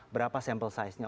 berapa sampel size nya